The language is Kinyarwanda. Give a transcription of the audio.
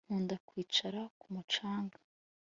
Nkunda kwicara ku mucanga